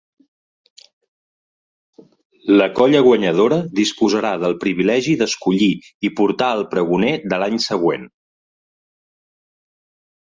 La colla guanyadora disposarà del privilegi d'escollir i portar el pregoner de l'any següent.